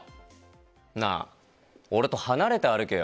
なあ、俺と離れて歩けよ。